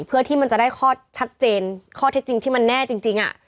เพื่อที่มันจะได้ข้อชัดเจนข้อเท็จจริงที่มันแน่จริง